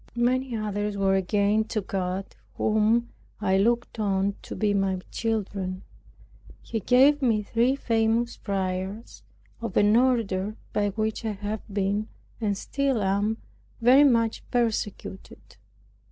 Many others were gained to God, whom I looked on to be my children. He gave me three famous friars, of an order by which I have been, and still am, very much persecuted.